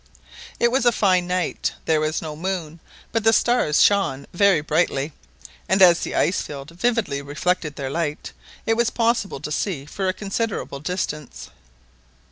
It was a fine night, there was no moon, but the stars shone very brightly, and as the ice field vividly reflected their light, it was possible to see for a considerable distance.